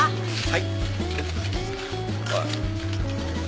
はい。